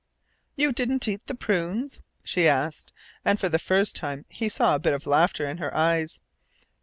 "You didn't eat the prunes?" she asked, and for the first time he saw a bit of laughter in her eyes.